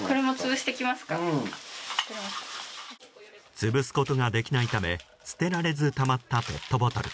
潰すことができないため捨てられずたまったペットボトル。